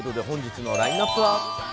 本日のラインアップは？